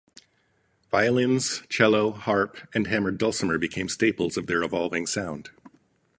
Violins, cello, harp, and hammered dulcimer became staples of their evolving sound.